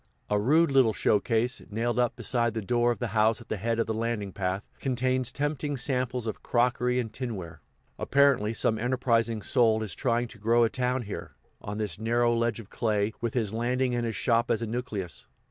A rude little show case, nailed up beside the door of the house at the head of the landing path, contains tempting samples of crockery and tinware. Apparently some enterprising soul is trying to grow a town here, on this narrow ledge of clay, with his landing and his shop as a nucleus.